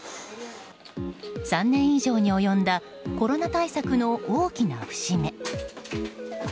３年以上に及んだコロナ対策の大きな節目。